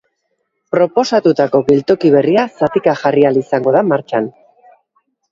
Proposatutako geltoki berria zatika jarri ahal izango da martxan.